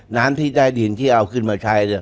น้ำที่ใต้ดินที่เอาขึ้นมาใช้เนี่ย